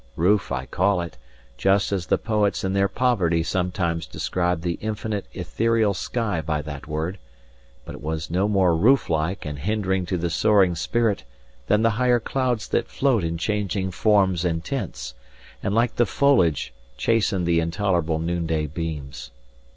Roof I call it, just as the poets in their poverty sometimes describe the infinite ethereal sky by that word; but it was no more roof like and hindering to the soaring spirit than the higher clouds that float in changing forms and tints, and like the foliage chasten the intolerable noonday beams.